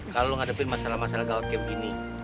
kalau ngadepin masalah masalah gawat kem ini